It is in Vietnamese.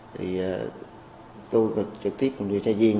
thì tôi trực tiếp nhận được phân công của bám đốc như bàn chỉ huy của chuyên án